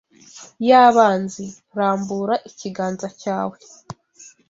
y'abanzi. Rambura ikiganza cyawe